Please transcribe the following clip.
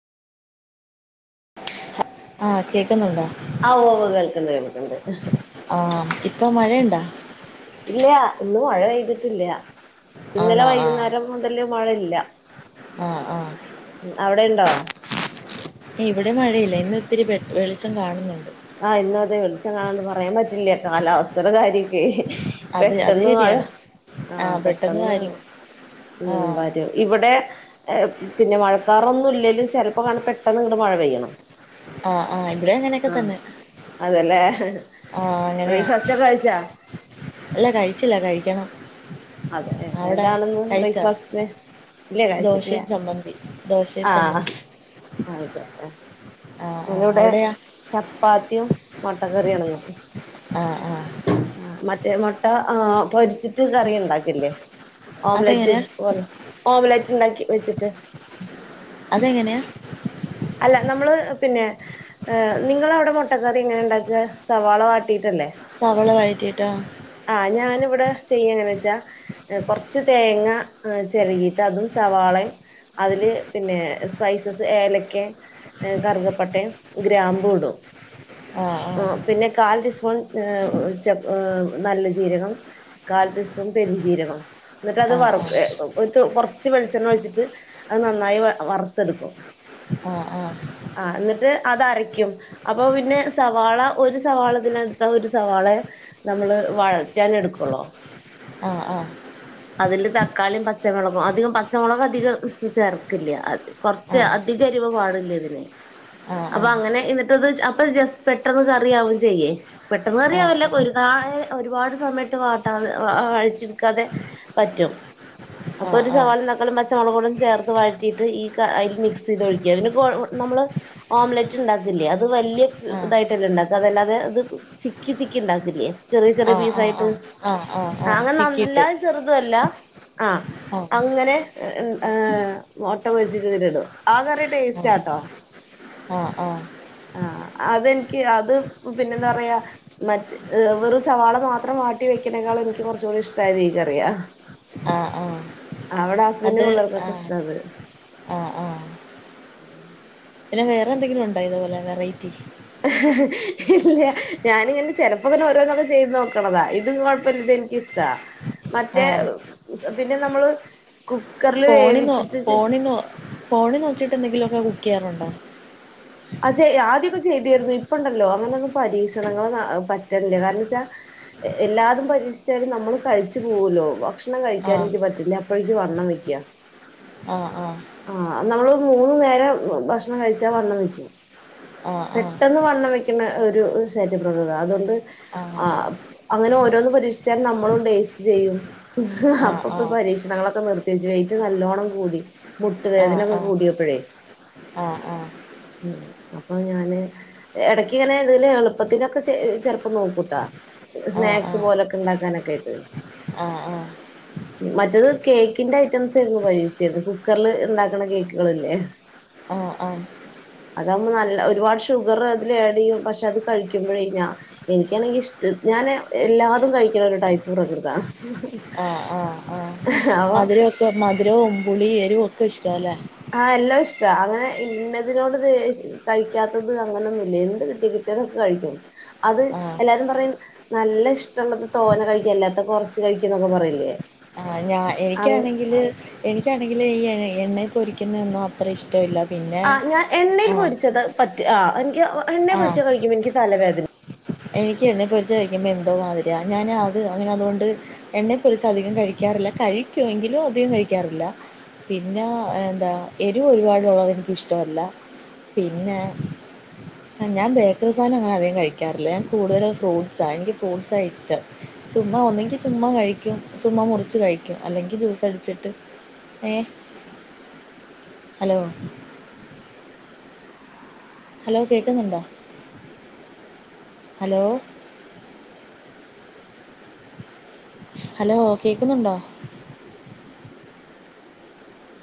ആഹ് കേക്കുന്നുണ്ടോ ആഹ് ഓഹ് ഓഹ് കേൾക്ക്ണ്ട് കേൾക്ക്ണ്ട് ആഹ് ഇപ്പൊ മഴയുണ്ടാ? ഇല്ലാ ഇന്ന് മഴ പെയ്തിട്ടില്ല ഇന്നലെ ആണോ ആഹ് വൈകുന്നേരം മുതല് മഴയില്ല ആഹ് ആഹ് ഉം അവിടെ ഉണ്ടോ? ഇവിടെ മഴയില്ല ഇന്ന് ഇത്തിരി വെട് വെളിച്ചം കാണുന്നുണ്ട്. ആഹ് ഇന്ന് അതെ വെളിച്ചം കാൺണ്ട് പറയാൻ പറ്റില്ല കാലാവസ്ഥയുടെ കാര്യക്കെ അത് അത് പെട്ടെന്ന് മഴ ശരിയാണ് ആഹ് പെട്ടെന്ന് ഉം ആഹ് വരും ഇവിടെ പിന്നെ മഴക്കാറൊന്നും ഇല്ലെലും ചെലപ്പോ പെട്ടെന്ന് ഇങ്ങട് മഴ പെയ്യണ് ആഹ് ആഹ് ഇവിടെ അങ്ങനെയൊക്കെ തന്നെ അതല്ലേ ആഹ്ഹ് ആഹ് ബ്രേക്ക്ഫാസ്റ്റ് ഒക്കെ കഴിച്ചാ? ഇല്ല കഴിച്ചില്ല കഴിക്കണം. അതെ അവിടെ എന്താണിന്ന് കഴിച്ചോ ബ്രേക്ക്ഫാസ്റ്റിന്? ഇല്ല കഴിച്ചിട്ടില്ല ദോശയും ചമ്മന്തി ദോശയും ആഹ് ചമ്മന്തി ആയിക്കോട്ടേ ആഹ് ആഹ് ഞനിവിടെ അവിടെയാ ചപ്പാത്തിയും മുട്ട കറിയണ് ഉംഹ് ആഹ് ആഹ് ആഹ് മറ്റേ മോട്ട ആഹ് പൊരിച്ചിട്ട് കറി ഉണ്ടാക്കില്ലേ അതെങ്ങനെയാ ഓംലറ്റ്ച്ച് പോലെ ഓംലറ്റ് ഉണ്ടാക്കി വെച്ചിട്ട് അതെങ്ങനെയാ? അല്ല നമ്മള് പിന്നെ നിങ്ങള അവിടെ മുട്ടക്കറി എങ്ങനെ ഉണ്ടാക്കുക സവാള വാട്ടിയിട്ടല്ലേ? സവള വഴറ്റിട്ട് ആഹ് ഞാനിവിടെ ചെയ്യ എങ്ങനെ വെച്ചാ കൊർച്ച് തേങ്ങ ചിരകിയിട്ട് അതും സവാളേം അതില് പിന്നേ സ്പൈസസ് ഏലക്കെ കറുകപ്പട്ടേ ഗ്രാമ്പൂടും ആഹ് ആഹ് പിന്നെ കാൽ ടീസ്പൂൺ ഏഹ് ചെപ് ഏഹ് നല്ല ജീരകം കാൽ ടീസ്പൂൺ പെരിഞ്ചീരകം എന്നിട്ട് അത് ആഹ് ആഹ് വർക്കുവേ ആഹ് ഉത് കുറച്ച് വെളിച്ചെണ്ണ ഒഴിച്ചിട്ട് അത് നന്നായി വ വറുത്തെടുക്കും ആഹ് ആഹ് ആഹ് എന്നിട്ട് അതരയ്ക്കും അപ്പൊ പിന്നെ സവാള ഒരു സവാളതിന എടുത്താ ഒരു സവാളെ നമ്മള് വഴറ്റാൻ എടുക്കുള്ളോ ആഹ് ആഹ് അതില് തക്കാളിയും പച്ചമുളകും അധികം പച്ചമുളക് അധികം ഉംഹ് ചേർക്കില്ല അത് കൊർച്ച് ആഹ് അധികരിവ് പാടില്ല്യ ഇതിന് ആ ആ. അപ്പൊ അങ്ങനെ എന്നിട്ടത് ജ അപ്പൊ ജസ്റ്റ് പെട്ടെന്ന് കറിയാവയും ചെയ്യേ പെട്ടെന്ന് ആ, കറിയാവില്ല ആ. പൊരുന്നാഴ് ഒരുപാട് സമയട്ട് വാട്ടാതെ അഴിച്ചു വക്കാതെ പറ്റും ആ, അപ്പൊ ഒരു ആ. സവാളേം തക്കാളേം പച്ചമുളകോടേം ചേർത്ത് വഴറ്റിയിട്ട് ഈ ക അതിൽ മിക്സ് ചെയ്ത് ഒഴിക്കുക്യാ പിന്നെ കൊഴ് നമ്മള് ഓംലറ്റ് ഉണ്ടാക്കില്ലേ അത് വലിയ ആ. ഇതായിട്ടല്ലേ ഉണ്ടാക്ക അതല്ലാതെ അത് ചിക്കി ചിക്കി ഉണ്ടാക്കില്ലേ ചെറിയ ആ, ചെറിയ ആ, ആ. പീസായിട്ട് ആ, ആ അങ്ങനെ ചിക്കിയിട്ട്. നല്ല ചെറുതുവല്ല ആഹ് ഓ അങ്ങനെ ഏ മുട്ട പൊരിച്ചിട്ടുണ്ടോ ആ കറി ടേസ്റ്റാട്ടോ ആഹ് ആഹ് ആഹ് അതെനിക്ക് അത് പിന്നെന്താ പറയാ മറ്റ് വെറു സവാള മാത്രം വാട്ടി വെക്കനേക്കാളും എനിക്ക് കുറച്ചുകൂടി ഇഷടായത് ഈ കറിയാ ആഹ് ആഹ് അവിടെ ഹസ്ബന്ഡും പിള്ളേർക്കൊക്കെ ഇഷടാണ് ആ, ആ. പിന്നെ വേറെ എന്തെങ്കിലും ഉന്ണ്ടായിരുന്നോ ഇതുപോലെ വെറൈറ്റി ഇല്ല ഞാനിങ്ങനെ ചെലപ്പോങ്ങനെ ഓരോന്നക്ക ചെയ്ത് നോക്കണതാ ഇത് കൊഴപ്പമില്ല എനിക്ക് ഇഷ്ടാ [inaudible] മറ്റേ പിന്നെ നമ്മള് കുക്കറിൽ വേവിച്ചിട്ട് നിന്നോ ഫോണ് നോക്കിട്ട് എന്തെങ്കിലൊക്കെ കുക്ക് ചെയ്യാറുണ്ടോ അചേ ആദ്യക്കെ ചെയ്തിയിരുന്നു ഇപ്പ ഉണ്ടല്ലോ അങ്ങനെയൊന്നും പരീക്ഷണങ്ങൾ പറ്റണില്ല കാരണം ച്ചാ എല്ലാതും പരീക്ഷിച്ചും നമ്മൾ കഴിച്ചു പോകലോ ഭക്ഷണം ആ. കഴിക്കാൻ എനിക്ക് പറ്റില്ല അപ്പോഴേക്ക് വണ്ണം വെക്യാ ആഹ് ആഹ് ആഹ് നമ്മള് മൂന്നു നേരം ഭക്ഷണം കഴിച്ചാ വണ്ണം വെക്കും ആ, ആ. പെട്ടെന്ന് വള്ളം വെക്കുന്ന ഒരു ശര്യപ്രവത അതുകൊണ്ട് ആ. ആഹ് അങ്ങനെ ഓരോന്ന് പരീക്ഷിച്ചാല് നമ്മളും ടേസ്റ്റ് ചെയ്യും ആ, ആ. ആ, ആ. അപ്പപ്പ പരീക്ഷണങ്ങളൊക്കെ നിർത്തി വെച്ചു വെയിറ്റും നല്ലോണം കൂടി മുട്ടുവേദനൊക്കെ കൂടിയപ്പഴേ ആഹ് ആഹ് ഉം അപ്പൊ ഞാന് എടക്ക് ഇങ്ങനെ തില് എളുപ്പത്തിനൊക്കെ ചെ ചെലപ്പോ നോക്കൂട്ടാ ആ. സ്നാക്സ് പോലൊക്കെ ഉണ്ടാക്കാനൊക്കെ ആയിട്ട് ആഹ് മറ്റത് കേക്കിന്റെ ഐറ്റംസ് ആയിരുന്നു പരീക്ഷിച്ചിരുന്നു കുക്കറ്ല് ഇണ്ടാക്ക്ണ കേക്കുകൾ ഇല്ലേ ആഹ് ആഹ് അതാവുമ്പോ നല്ല ഒരുപാട് ഷുഗർ അതിൽ ആഡ് യ്യും പഷെ അത് കഴിക്കുമ്പോഴെ ഞ്ഞാ എനിക്കാണെങ്കി ഇഷ്ട്ട് ഞാന് എല്ലാതും കഴിക്ക്ണ ഒരു ടൈപ്പ് പ്രകൃത. ആഹ് ആഹ് ആഹ് ഹ് ആവോ മധുരമൊക്കെ മധുരവും പുളി എരു ഒക്കെ ഇഷ്ടലെ? ആഹ് എല്ലോ ഇഷ്ട അങ്ങനെ ഇന്നതിനോട് ത് ഇഷ് കഴിക്കാത്തത് അങ്ങനൊന്നു ഇല്ല എന്ത് കിട്ടി ഞാനൊക്കെ കഴിക്കും അത് ആഹ് എല്ലാരും പറയും നല്ല ഇഷ്ടള്ളപ്പൊ തോന കഴിക്കും അല്ലാത്തപ്പൊ കൊറച്ച് കഴിക്ക ന്നൊക്കെ പറയില്ലെ? ആഹ് ഞാ എനിക്കാണെങ്കില് എനിക്കാണെങ്കില് ഈ എണ്ണ പൊരിക്കുന്നൊന്നും അത്ര ഇഷ്ടവില്ല. ആഹ് ഞാ എണ്ണേയിൽപൊരിച്ചത് പറ്റ് ആഹ് എനിക്ക് ഒ എണ്ണയിൽ ആഹ് പൊരിച്ചത് കഴിക്കുമ്പോ ഇനിക്ക് തലവേദന എനിക്ക് എണ്ണെ പൊരിച്ച കഴിക്കുമ്പോ എന്തോ മാതിരിയാ ഞാൻ അത് അങ്ങനെ അതോണ്ട്. എണ്ണേ പൊരിച്ച് അധികം കഴിക്കാറില്ല കഴിക്കും എങ്കിലും അധികം കഴിക്കാറില്ല. പിന്നാ എന്താ എരു ഒരുപാടുള്ളോത് എനിക്കിഷ്ടമല്ല. പിന്നെ ആഹ് ഞാൻ ബേക്കറി സാനം അങ്ങനെ അധികം കഴിക്കാറില്ല കൂടുതലും ഫ്രൂട്ട്സാ എനിക്ക് ഫ്രൂട്ട്സാ ഇഷ്ടം. ചുമ്മാ ഒന്നെങ്കിൽ ചുമ്മാ കഴിക്കും ചുമ്മാ മുറിച്ച് കഴിക്കും അല്ലെങ്കി ജ്യൂസ് അടിച്ചിട്ട്. ഏ ഹലോ ഹലോ കേക്ക്ന്ന്ണ്ടോ? Hello hello കേക്ക്ന്ന്ണ്ടോ?